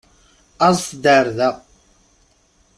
Aẓet-d ar da!